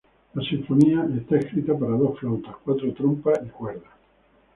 La sinfonía está escrita para dos flautas, cuatro trompas, y cuerdas.